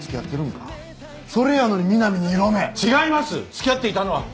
付き合っていたのは。